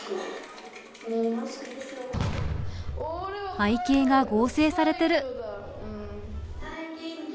背景が合成されてる！